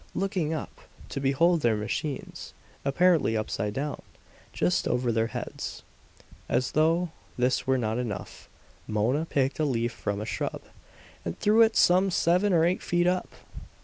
Looking up, to behold their machines, apparently upside down, just over their heads! As though this were not enough, Mona picked a leaf from a shrub and threw it some seven or eight feet up.